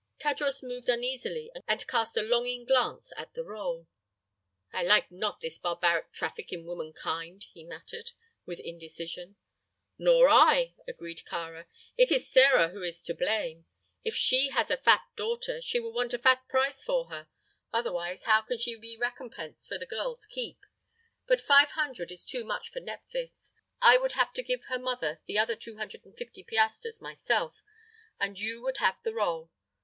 Tadros moved uneasily and cast a longing glance at the roll. "I like not this barbaric traffic in womankind," he muttered, with indecision. "Nor I," agreed Kāra. "It is Sĕra who is to blame. If she has a fat daughter, she will want a fat price for her. Otherwise, how can she be recompensed for the girl's keep? But five hundred is too much for Nephthys. I would have to give her mother the other two hundred and fifty piastres myself and you would have the roll.